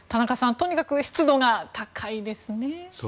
とにかく湿度が高いですね。